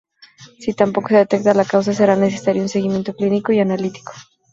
Si tampoco se detecta la causa, será necesario un seguimiento clínico y analítico.